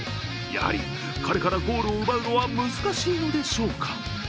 やはり、彼からゴールを奪うのは、難しいのでしょうか。